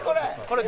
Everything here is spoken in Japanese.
これ！」